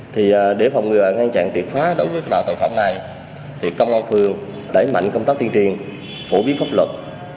thì để phòng ngừa ngăn chặn tiệt phá đối với bảo tội phòng này thì công an phường đẩy mạnh công tác tiên triền phổ biến pháp luật